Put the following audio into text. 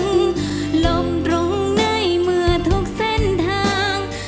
ลงตรงในเมื่อทุกเส้นทาง